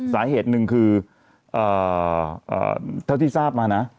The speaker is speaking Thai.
สาเหตุหนึ่งคือเท่าที่ทราบมานะ